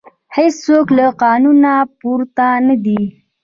هیڅوک له قانون پورته نه دی